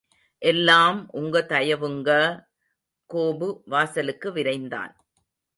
எல்லாம் உங்க தயவுங்க! கோபு வாசலுக்கு விரைந்தான்.